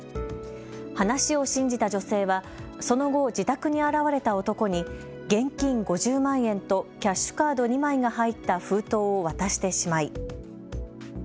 話を信じた女性はその後、自宅に現れた男に現金５０万円とキャッシュカード２枚が入った封筒を渡してしまい。